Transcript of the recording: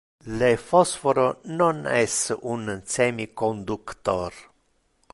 Le phosphoro non es un semiconductor.